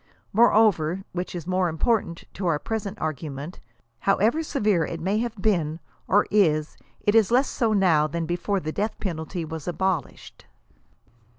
Moreover, — which is more important to our present argu ment, ho wever severe it may have been, or is, it is less so now than before the death penalty was abolished.